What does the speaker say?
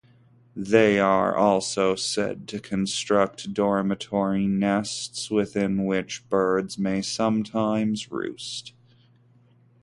They are also said to construct dormitory nests within which birds may sometimes roost.